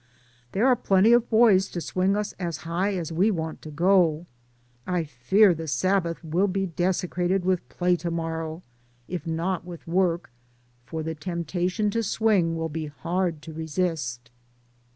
There are plenty of boys to swing us as high as we want to go. I fear the Sabbath will be dese 40 DAYS ON THE ROAD. crated with play to morrow, if not with work, for the temptation to swing will be hard to resist.